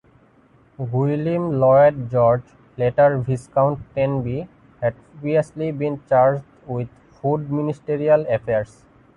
Gwilym Lloyd George "later" Viscount Tenby had previously been charged with Food ministerial affairs.